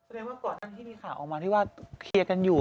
ว่าก่อนนั้นที่มีข่าวออกมาที่ว่าเคลียร์กันอยู่